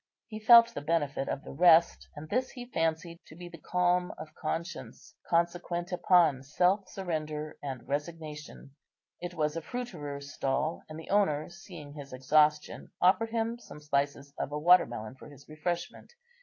He felt the benefit of the rest, and this he fancied to be the calm of conscience consequent upon self surrender and resignation. It was a fruiterer's stall, and the owner, seeing his exhaustion, offered him some slices of a water melon for his refreshment.